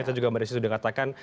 kita juga sudah katakan